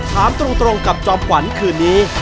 ถามตรงกับจอมขวัญคืนนี้